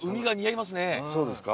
そうですか？